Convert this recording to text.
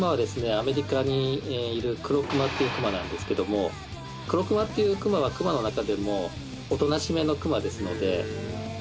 アメリカにいるクロクマっていうクマなんですけどもクロクマっていうクマはクマの中でも。